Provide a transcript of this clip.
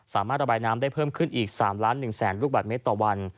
สามารถระบายน้ำได้เพิ่มขึ้นอีก๓ล้าน๑แสนลูกบาทเมตรต่อวัน